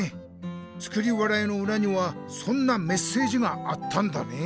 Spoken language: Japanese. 「作り笑い」のうらにはそんなメッセージがあったんだね。